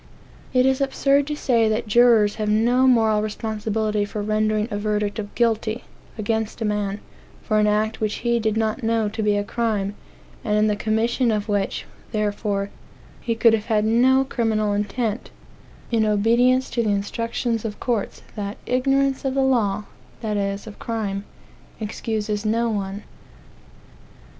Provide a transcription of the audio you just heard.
It is absurd to say that jurors have no moral responsibility for rendering a verdict of "guilty" against a man, for an act which he did not know to be a crime, and in the commission of which, therefore, he could have had no criminal intent, in obedience to the instructions of courts that "ignorance of the law (that is, of crime) excuses no one."